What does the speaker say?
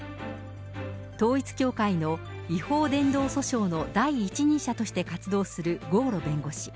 統一教会の違法伝道訴訟の第一人者として活動する郷路弁護士。